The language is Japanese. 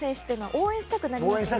応援したくなります！